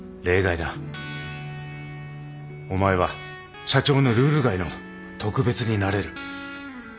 お前は社長のルール外の特別になれる。